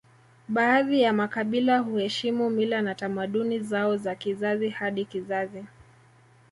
Baadhi ya makabila huheshimu mila na tamaduni zao za kizazi hadi kizazi